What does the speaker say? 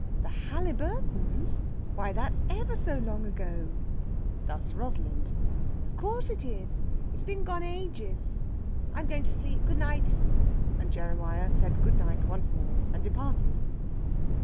"The Haliburtons? Why, that's ever so long ago." Thus Rosalind. "Of course it is. It's been gone ages. I'm going to sleep. Good night!" And Jeremiah said good night once more and departed.